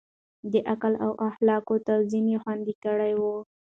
د عقل او اخلاقو توازن يې خوندي کړی و.